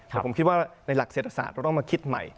แต่ผมคิดว่าในหลักเศรษฐศาสตร์เราต้องมาคิดใหม่